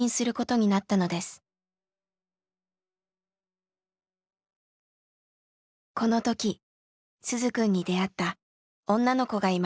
この時鈴くんに出会った女の子がいました。